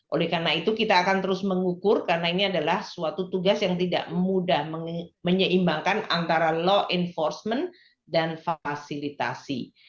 oleh karena itu kita akan terus mengukur karena ini adalah suatu tugas yang tidak mudah menyeimbangkan antara law enforcement dan fasilitasi